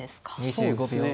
そうですね。